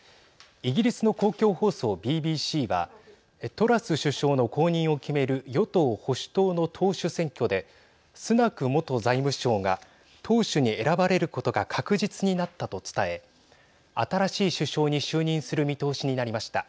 イギリスの公共放送ＢＢＣはトラス首相の後任を決める与党・保守党の党首選挙でスナク元財務相が党首に選ばれることが確実になったと伝え新しい首相に就任する見通しになりました。